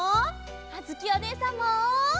あづきおねえさんも！